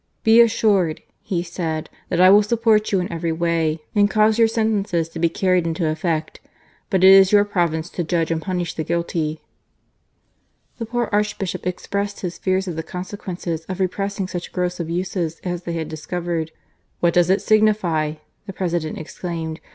" Be assured," he said, " that I will support you in every way and cause your sentences to be carried into effect ; but it is your province to judge and punish the guilty." The poor Archbishop expressed his fears at the consequences of repressing such gross abuses as they had discovered. " What does it signify ?" the President exclaimed.